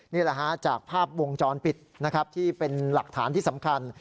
นี่แหละฮะจากภาพวงจรปิดนะครับที่เป็นหลักฐานที่สำคัญ